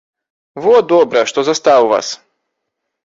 Во добра, што застаў вас!